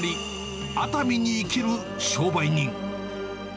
熱海に生きる商売人。